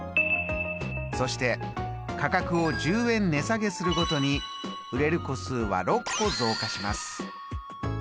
そして価格を１０円値下げするごとに売れる個数は６個増加します。